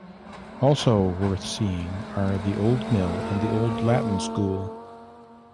Also worth seeing are the old mill and the old Latin school.